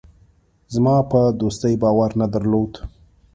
زما په دوستۍ باور نه درلود.